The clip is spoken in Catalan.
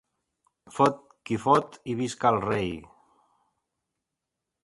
Fot qui fot i visca el rei!